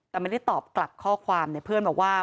แต่ไม่ได้ตอบกลับข้อความเนี่ยเพื่อนบอกว่า